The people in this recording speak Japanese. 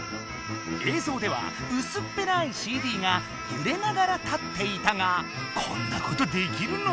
映像ではうすっぺらいＣＤがゆれながら立っていたがこんなことできるの？